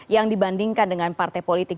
yang dibandingkan dengan partai politik